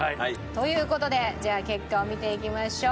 という事でじゃあ結果を見ていきましょう。